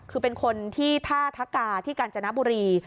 คือเป็นคนที่ท่าทะกาที่กาญจนบุรี